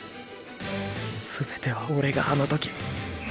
全てはオレがあの時。